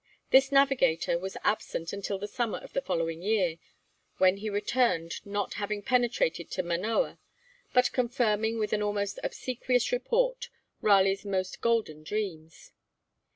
This navigator was absent until the summer of the following year, when he returned, not having penetrated to Manoa, but confirming with an almost obsequious report Raleigh's most golden dreams.